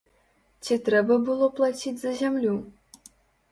Ці трэба было плаціць за зямлю?